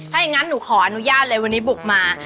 ถ้าอย่างนั้นหนูขออนุญาตเลยวันนี้บุกมา